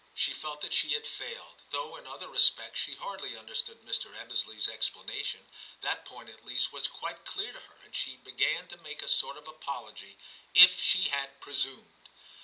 She felt that she had failed ; though in other respects she hardly understood Mr. Ebbesley's explanation, that point at least was quite clear to her, and she began to make a sort of apology, * if she had presumed.'